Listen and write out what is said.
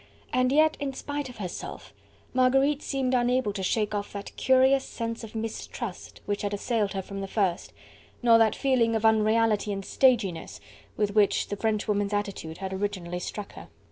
And yet in spite of herself, Marguerite seemed unable to shake off that curious sense of mistrust which had assailed her from the first, nor that feeling of unreality and staginess with which the Frenchwoman's attitude had originally struck her.